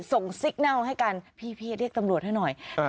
ซิกเน่าให้กันพี่เรียกตำรวจให้หน่อย